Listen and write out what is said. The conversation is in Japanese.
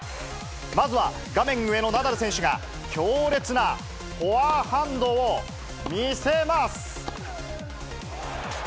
まずは、画面上のナダル選手が、強烈なフォアハンドを見せます。